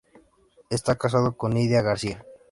Está casado con Nidia García.